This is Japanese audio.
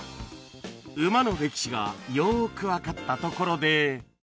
馬の歴史がよーくわかったところで